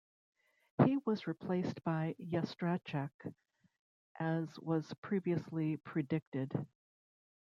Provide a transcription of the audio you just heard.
He was replaced by Yastrebchak, as was previously predicted.